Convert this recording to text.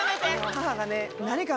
母がね。